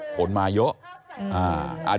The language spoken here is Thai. ผลมาเยอะ